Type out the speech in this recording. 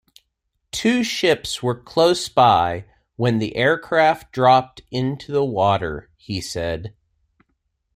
Two ships were close by when the aircraft dropped into the water, he said.